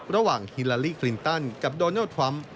ระหว่างฮิลาลีกลินตันกับโดนัลด์ทรัมป์